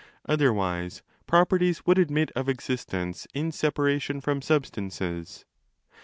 Otherwise, properties would admit of existence in separation from substances.